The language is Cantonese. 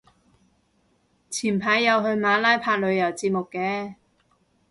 前排有去馬拉拍旅遊節目嘅